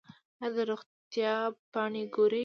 ایا د روغتیا پاڼې ګورئ؟